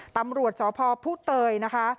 ตำรวจสพผู้เตยนะคะ